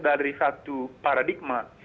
dari satu paradigma